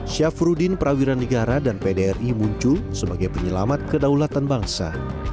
syafruddin prawiran negara dan pdri muncul sebagai penyelamat kedaulatan bangsa